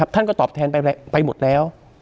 ท่านก็ตอบแทนไปหมดแล้ว